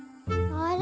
あれ？